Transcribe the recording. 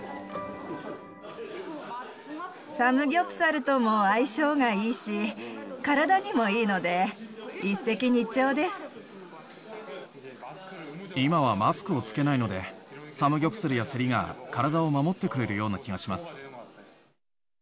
サムギョプサルとも相性がいいし、体にもいいので、今はマスクを着けないので、サムギョプサルやセリが、体を守ってくれるような気がします。